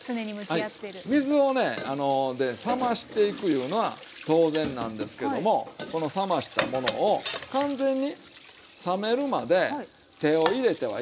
はい水をね冷ましていくいうのは当然なんですけどもこの冷ましたものを完全に冷めるまで手を入れてはいけない。